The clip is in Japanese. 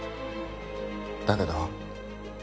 だけど